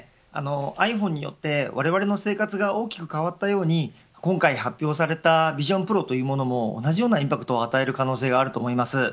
ｉＰｈｏｎｅによってわれわれの生活が大きく変わったように今回発表されたビジョンプロというものも同じようなインパクトを与える可能性があると思います。